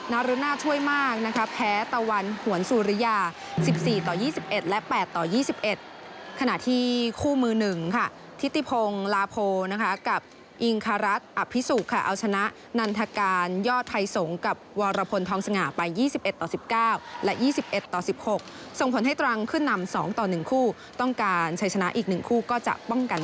นารุณาช่วยมากนะคะแพ้ตะวันหวนสุริยาสิบสี่ต่อยี่สิบเอ็ดและแปดต่อยี่สิบเอ็ดขณะที่คู่มือหนึ่งค่ะทิติพงราโพนะคะกับอิงคารักษ์อภิสุค่ะเอาชนะนันทการยอดไทยสงศ์กับวรพลทองสง่าไปยี่สิบเอ็ดต่อสิบเก้าและยี่สิบเอ็ดต่อสิบหกส่งผลให้ตรังขึ้นนำสองต่อหนึ่งคู่ต้องการใช้ชนะอีกหน